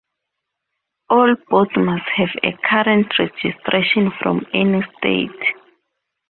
All boats must have a current registration from any state.